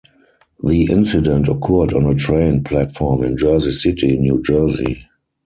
The incident occurred on a train platform in Jersey City, New Jersey.